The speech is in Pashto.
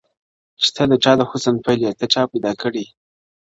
چي ته د چا د حُسن پيل يې ته چا پيدا کړې.